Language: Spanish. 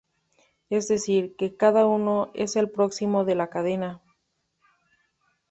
Es decir, que cada uno es el próximo de la cadena.